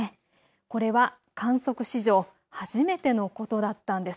これは観測史上、初めてのことだったんです。